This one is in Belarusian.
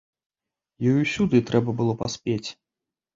Ёй усюды трэба было паспець.